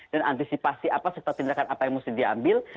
dan antisipasi apa serta tindakan apa yang mesti diambil